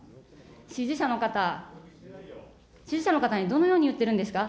支持者の方、支持者の方にどのように言ってるんですか。